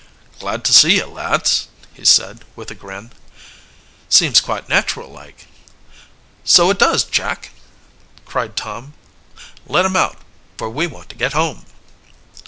"Glad to see you, lads," he said with a grin. "Seems quite natural like." "So it does, Jack!" cried Tom. "Let 'em out, for we want to get home!"